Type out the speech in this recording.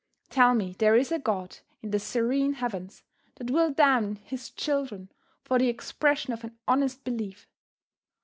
Tell me there is a God in the serene heavens that will damn his children for the expression of an honest belief!